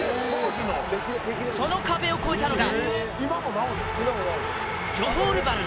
その壁を越えたのが。